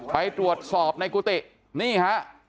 ไปตรวจสอบในกุฏินี่ฮะ